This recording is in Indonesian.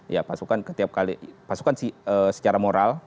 ya pasukan setiap kali pasukan secara moral